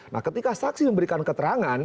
nah ketika saksi memberikan keterangan